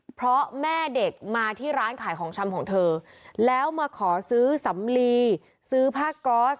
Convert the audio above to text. เพราะแม่เด็กมาที่ร้านขายของชำของเธอแล้วมาขอซื้อสำลีซื้อผ้าก๊อส